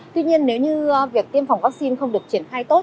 tuy nhiên nếu như việc tiêm phòng vắc xin không được triển khai tốt